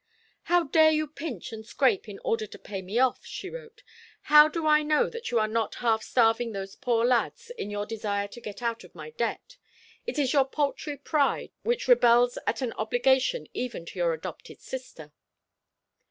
"How dare you pinch and scrape in order to pay me off?" she wrote. "How do I know that you are not half starving those poor lads, in your desire to get out of my debt? It is your paltry pride which rebels at an obligation even to your adopted sister."